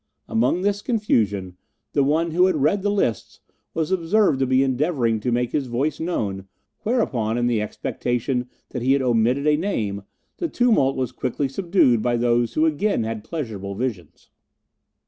Among this confusion the one who had read the lists was observed to be endeavouring to make his voice known, whereupon, in the expectation that he had omitted a name, the tumult was quickly subdued by those who again had pleasurable visions.